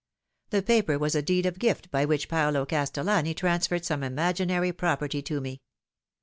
The paper was a deed of gif t by forhich Paolo Castellani transferred some imaginary property to me.